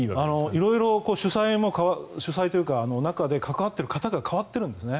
色々主催というか中で関わっている方が代わっているんですね。